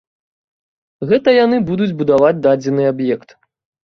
Гэта яны будуць будаваць дадзены аб'ект.